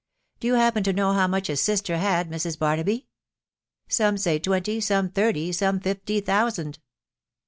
Do you happen to know how much his sister had, Mrs. Barnaby ?•... Some say twenty, some thirty, some fifty thousand."